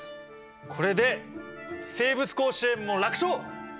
これで生物甲子園も楽勝！